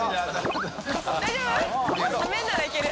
大丈夫？